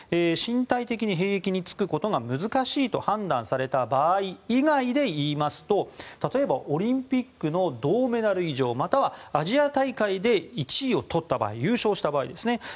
身体的に兵役に就くことが難しいと判断された場合以外でいいますと例えばオリンピックの銅メダル以上またはアジア大会で１位を取った場合優勝した場合ですね。